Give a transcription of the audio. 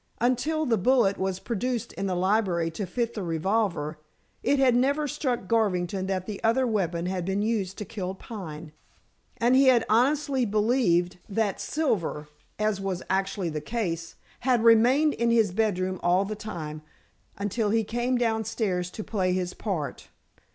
Until the bullet was produced in the library to fit the revolver it had never struck Garvington that the other weapon had been used to kill Pine. And he had honestly believed that Silver as was actually the case had remained in his bedroom all the time, until he came downstairs to play his part.